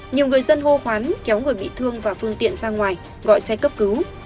nhiều người dân hồ quán kéo người bị thương và phương tiện sang ngoài gọi xe cấp cứu